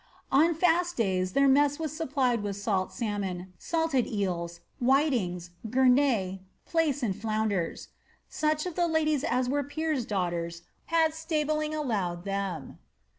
On &Bt days their mess was supplied with salt salmon, saltad eels, whitings, gurnet, plaice, and flounders. Such of the ladies as were peers' daughters had stabling allowed them."